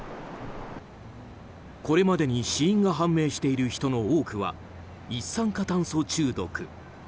これまでに死因が判明している人の多くは一酸化炭素中毒。